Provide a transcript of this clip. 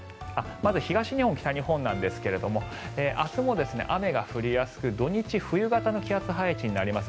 まず東日本、北日本ですが明日も雨が降りやすく土日冬型の気圧配置になります。